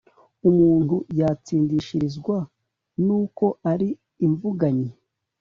umuntu yatsindishirizwa n’uko ari imvuganyi’